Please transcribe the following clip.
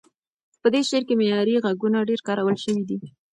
په دې شعر کې معیاري غږونه ډېر کارول شوي دي.